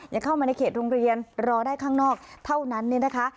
เข้ามาในเขตโรงเรียนรอได้ข้างนอกเท่านั้นเนี่ยนะคะ